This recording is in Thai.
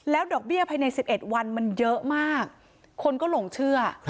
ดอกเบี้ยภายใน๑๑วันมันเยอะมากคนก็หลงเชื่อ